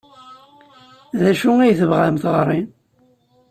D acu ay tebɣamt ɣer-i?